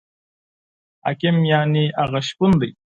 حاکم یعنې هغه شپون دی.